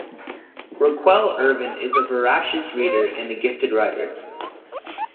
Raquel Ervin is a voracious reader and a gifted writer.